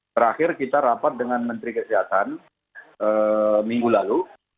terakhir kita rapat dengan menteri kesehatan minggu lalu